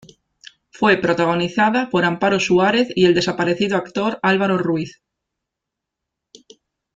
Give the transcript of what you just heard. Fue protagonizada por Amparo Suárez y el desaparecido actor Álvaro Ruiz.